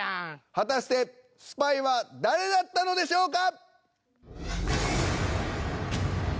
果たしてスパイは誰だったのでしょうか？